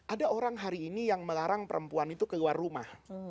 ada orang hari ini yang melarang perempuan itu keluar rumah